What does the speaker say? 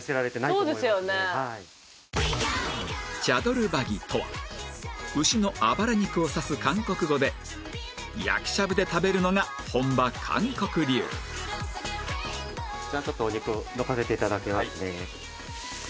チャドルバギとは牛のあばら肉を指す韓国語で焼きしゃぶで食べるのが本場韓国流じゃあちょっとお肉焼かせて頂きますね。